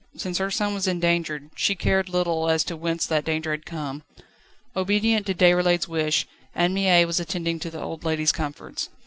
Since her son was in danger, she cared little as to whence that danger had come. Obedient to Déroulède's wish, Anne Mie was attending to the old lady's comforts.